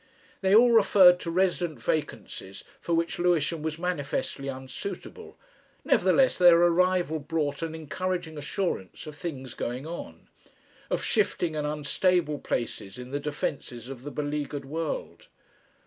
They all referred to resident vacancies for which Lewisham was manifestly unsuitable, nevertheless their arrival brought an encouraging assurance of things going on, of shifting and unstable places in the defences of the beleaguered world.